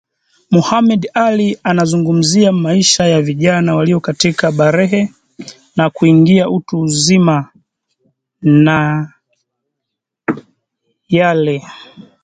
Muhammed Ally anazungumzia maisha ya vijana walio katika balehe na kuingia utu uzimani nay ale